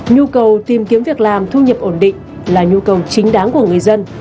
nhu cầu tìm kiếm việc làm thu nhập ổn định là nhu cầu chính đáng của người dân